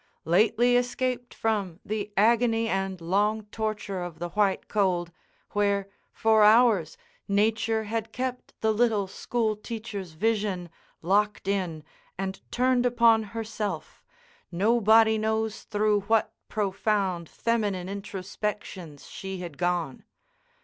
Lately escaped from the agony and long torture of the white cold, where for hours Nature had kept the little school teacher's vision locked in and turned upon herself, nobody knows through what profound feminine introspections she had gone.